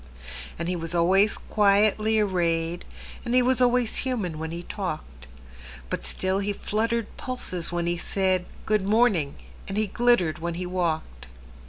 And he was always quietly arrayed, And he was always human when he talked; But still he fluttered pulses when he said,"Good morning," and he glittered when he walked.